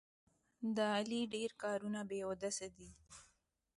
د علي ډېر کارونه بې اودسه دي.